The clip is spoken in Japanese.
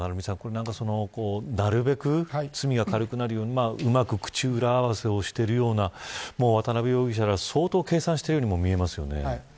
なるべく罪が軽くなるようにうまく口裏合わせをしているような渡辺容疑者ら、相当計算しているようにも見えますよね。